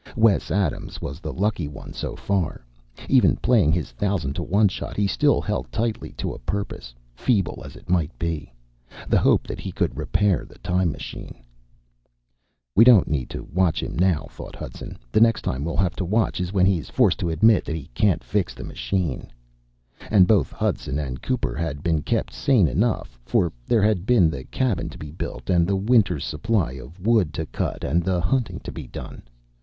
Wes Adams was the lucky one so far. Even playing his thousand to one shot, he still held tightly to a purpose, feeble as it might be the hope that he could repair the time machine. We don't need to watch him now, thought Hudson. The time we'll have to watch is when he is forced to admit he can't fix the machine. And both Hudson and Cooper had been kept sane enough, for there had been the cabin to be built and the winter's supply of wood to cut and the hunting to be done.